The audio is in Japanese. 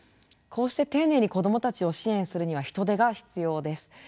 こうして丁寧に子どもたちを支援するには人手が必要です。